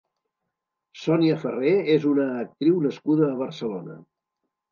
Sonia Ferrer és una actriu nascuda a Barcelona.